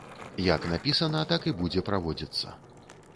Як напісана, так і будзе праводзіцца.